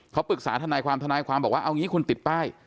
เขาปรึกษาทนายความทนายความบอกว่าเอางี้คุณติดป้าย